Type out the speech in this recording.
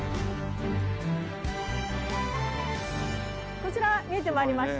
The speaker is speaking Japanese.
こちら見えて参りました。